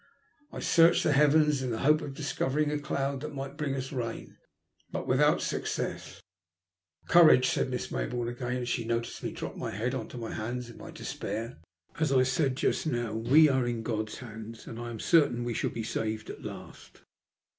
I searched the heavens in the hope of discovering a cloud that might bring us rain, but without success. ''Courage," said Miss Mayboume again, as she noticed me drop my head on to my hands in my despair. " As I said just now, we are in God's hands ; and I feel certain we shall be saved at last.